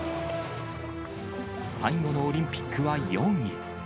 最後のオリンピックは４位。